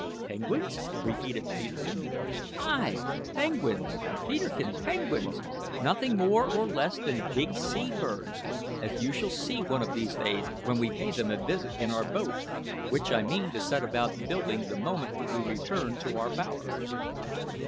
"Penguins?" repeated Peterkin. "Ay, penguins, Peterkin, penguins nothing more or less than big sea birds, as you shall see one of these days when we pay them a visit in our boat, which I mean to set about building the moment we return to our bower."